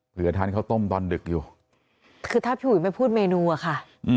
เหลือทานเขาต้มตอนดึกอยู่คือถ้าพี่อูดไม่พูดเมนูอะค่ะ